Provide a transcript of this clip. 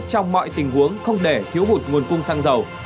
trong mọi tình huống không để thiếu hụt nguồn cung xăng dầu